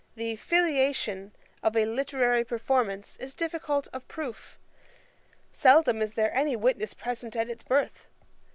The Filiation of a literary performance is difficult of proof; seldom is there any witness present at its birth.